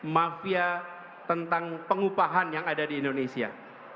mafia tentang pengupahan yang ada di indonesia